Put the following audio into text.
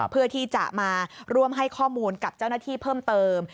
เพื่อที่จะมาร่วมให้ข้อมูลกับเจ้าหน้าที่เพิ่มเติม